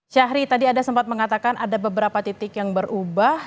syahri tadi ada sempat mengatakan ada beberapa titik yang berubah